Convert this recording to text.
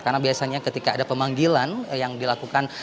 karena biasanya ketika ada pemanggilan yang dilakukan